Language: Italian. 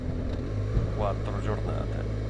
Quattro Giornate